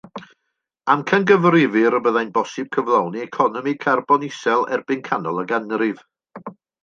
Amcangyfrifir y byddai'n bosib cyflawni economi carbon isel erbyn canol y ganrif.